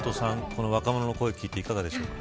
この若者の声聞いていかがですか。